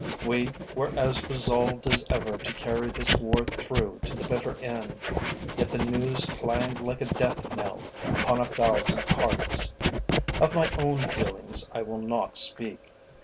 We were as resolved as ever to carry this war through to the bitter end, yet the news clanged like a death knell upon a thousand hearts. Of my own feelings I will not speak.